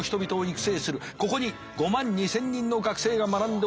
ここに５万２，０００人の学生が学んでおります。